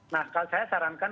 nah saya sarankan